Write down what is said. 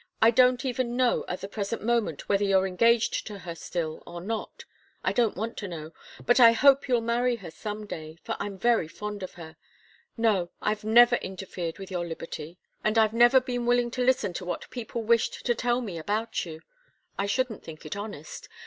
I don't even know at the present moment whether you're engaged to her still, or not. I don't want to know but I hope you'll marry her some day, for I'm very fond of her. No I've never interfered with your liberty, and I've never been willing to listen to what people wished to tell me about you. I shouldn't think it honest.